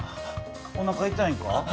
おなかいたいんか？